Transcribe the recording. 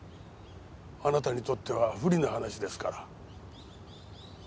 あなたにとっては不利な話ですから。